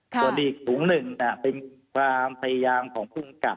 ส่วนอีกถุงหนึ่งเป็นความพยายามของภูมิกับ